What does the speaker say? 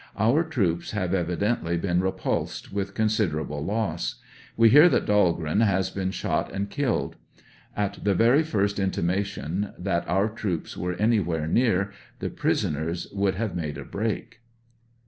Our troops have evidently been repulsed with considerable loss. We hear that Dahlgreen has been shot and killed. At the very first intimation that our troops were anywhere near, the prisoners would have made a break.